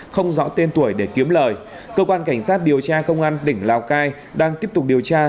không rõ tên tuổi để kiếm lời cơ quan cảnh sát điều tra công an tỉnh lào cai đang tiếp tục điều tra